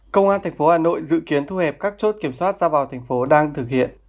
công an thành phố hà nội dự kiến thu hẹp các chốt kiểm soát ra vào thành phố đang thực hiện